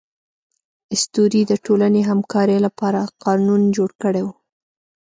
اسطورې د ټولنې همکارۍ لپاره قانون جوړ کړی و.